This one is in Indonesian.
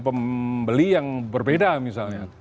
pembeli yang berbeda misalnya